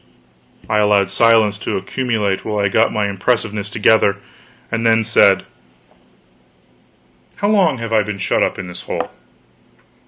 I allowed silence to accumulate while I got my impressiveness together, and then said: "How long have I been shut up in this hole?"